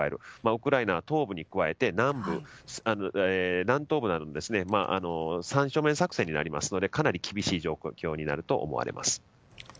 ウクライナ東部に加えて南部、南東部などの３正面作戦になりますのでかなり厳しい状況になると思います。